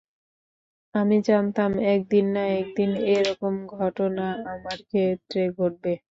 আমি জানতাম একদিন-না-একদিন এ-রকম ঘটনা আমার ক্ষেত্রে ঘটবে।